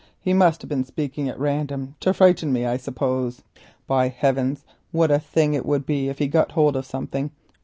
He must have been speaking at random to frighten me, I suppose. By heaven! what a thing it would be if he had got hold of something.